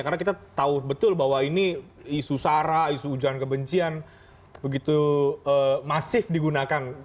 karena kita tahu betul bahwa ini isu sara isu hujan kebencian begitu masif digunakan